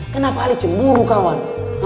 kenapa alen cemburu kawan